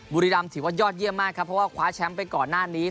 บุรีรำถือว่ายอดเยี่ยมมากครับเพราะว่าคว้าแชมป์ไปก่อนหน้านี้